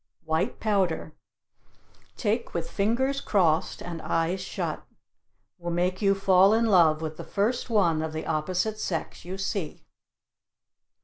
White powder take with fingers crossed and eyes shut. Will make you fall in love with the first one of the opposite sex you see.